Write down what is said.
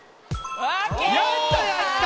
やったやった！